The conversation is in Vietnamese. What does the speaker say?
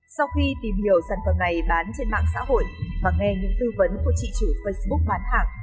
sau khi tìm hiểu sản phẩm này bán trên mạng xã hội và nghe những tư vấn của chị chủ facebook bán hàng